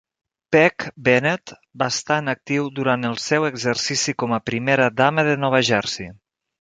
Peg Bennett va estar en actiu durant el seu exercici com a primera dama de Nova Jersey.